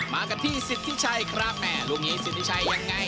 มากันที่สิทธิชัยครับแม่ลูกนี้สิทธิชัยยังไง